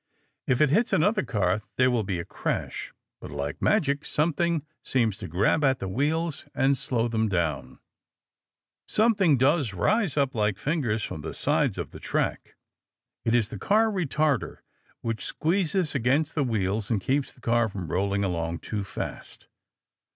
If it hits another car there will be a crash. But, like magic, something seems to grab at the wheels and slow them down. [Illustration: BRAKEMAN UNCOUPLING CARS] Something does rise up like fingers from the sides of the track. It is the car retarder which squeezes against the wheels and keeps the car from rolling along too fast.